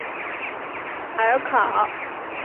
马泰绍尔考。